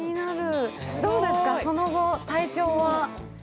どうですか、その後、体調は？